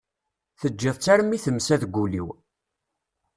Teǧǧiḍ-tt armi temsa deg ul-iw.